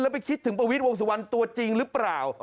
ไปคิดถึงประวิทย์วงสุวรรณตัวจริงหรือเปล่า